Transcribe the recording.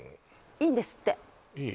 いいんですっていい？